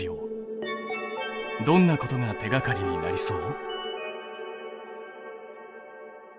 どんなことが手がかりになりそう？